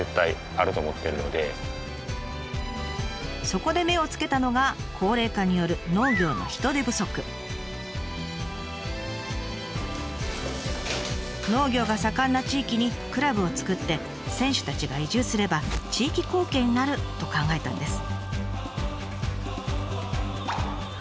そこで目をつけたのが高齢化による農業が盛んな地域にクラブを作って選手たちが移住すれば地域貢献になると考えたんです。